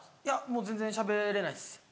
いやもう全然しゃべれないです。